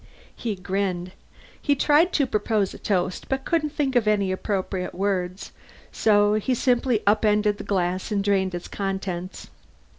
He grinned. He tried to propose a toast, but couldn't think of any appropriate words, so he simply upended the glass and drained its contents.